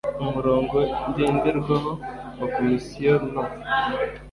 umurongo ngenderwaho wa komisiyo no